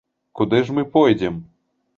Куды ж мы пойдзем?